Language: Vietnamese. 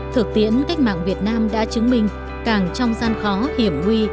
thực tiễn cách mạng việt nam đã chứng minh càng trong gian khó hiểm nguy